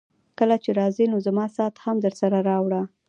کله چي راځې نو زما ساعت هم درسره راوړه.